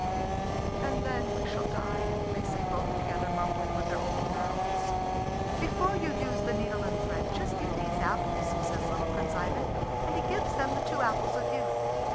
"And then we shall die!" they say both together, mumbling with their old mouths. "Before you use the needle and thread, just eat these apples," says little Prince Ivan, and he gives them the two apples of youth.